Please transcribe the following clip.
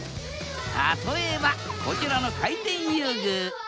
例えばこちらの回転遊具。